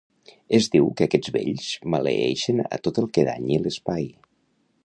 Es diu que aquests "vells" maleeixen a tot el que danyi l'espai.